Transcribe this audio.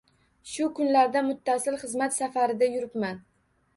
Shu kunlarda muttasil xizmat safarlarida yuribman.